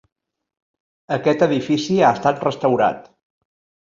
Aquest edifici ha estat restaurat.